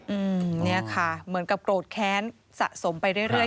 อืมนี้ค่ะเหมือนกับโปรดแค้นสะสมไปเรื่อย